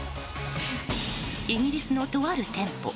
イギリスのとある店舗。